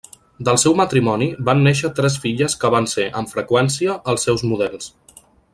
Del seu matrimoni van néixer tres filles que van ser, amb freqüència, els seus models.